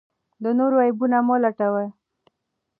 د نورو عیبونه مه لټوه.